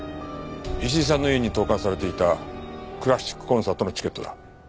石井さんの家に投函されていたクラシックコンサートのチケットだ。